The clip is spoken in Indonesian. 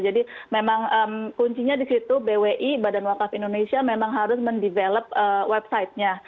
jadi memang kuncinya di situ bwi badan wakaf indonesia memang harus mendevelop websitenya